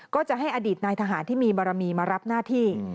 ก็จะให้อดีตนายทหารที่มีบารมีมารับหน้าที่